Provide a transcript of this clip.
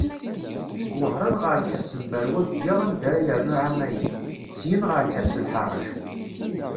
Seg Wahṛen ɣer lḥebs n Beṛwagiya anda ara yernu εamayen, syin ɣer lḥebs Lḥaṛṛac.